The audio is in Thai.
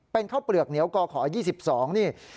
เป็นข้าวเปลือกเหนียวก่อขอยี่สิบสองนี่